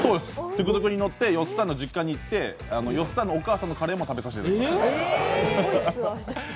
トゥクトゥクに乗ってよっさんの実家に行ってよっさんのお母さんのカレーも食べさせてもらいました。